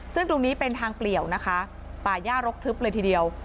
ซึ่งตรงนี้เป็นทางเปลี่ยวนะคะป่าย่ารกทึบเลยทีเดียว